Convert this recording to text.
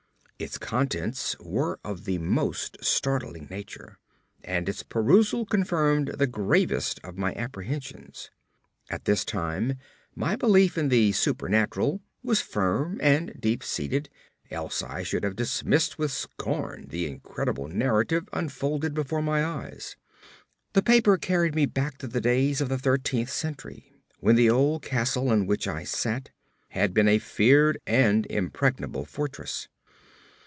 Its contents were of the most startling nature, and its perusal confirmed the gravest of my apprehensions. At this time, my belief in the supernatural was firm and deep seated, else I should have dismissed with scorn the incredible narrative unfolded before my eyes. The paper carried me back to the days of the thirteenth century, when the old castle in which I sat had been a feared and impregnable fortress.